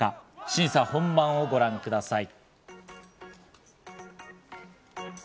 審査本番をご覧ください。